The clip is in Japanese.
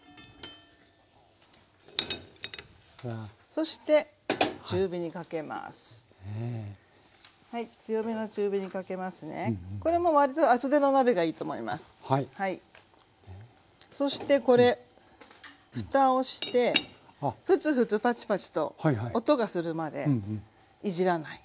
そしてこれふたをしてフツフツパチパチと音がするまでいじらない。